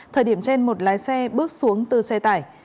thời điểm trên một lái xe bước xuống từ xe tải